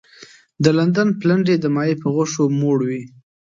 د لندن پلنډي د ماهي په غوښو موړ وي.